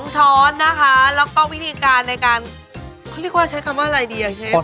ช้อนนะคะแล้วก็วิธีการในการเขาเรียกว่าใช้คำว่าอะไรดีอ่ะเชฟ